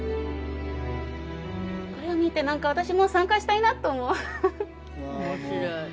これを見て何か私も参加したいなと思う